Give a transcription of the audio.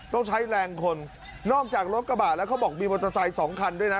ต้องใช้แรงคนนอกจากรถกระบะแล้วเขาบอกมีมอเตอร์ไซค์สองคันด้วยนะ